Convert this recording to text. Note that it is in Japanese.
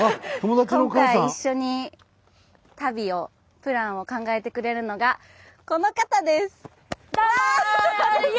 今回一緒に旅をプランを考えてくれるのがこの方です。